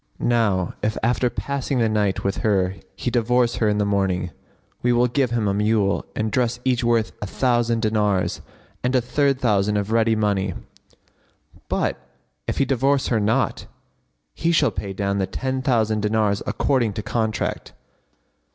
Now if after passing the night with her he divorce her in the morning, we will give him a mule and dress each worth a thousand dinars, and a third thousand of ready money; but if he divorce her not, he shall pay down the ten thousand dinars according to contract."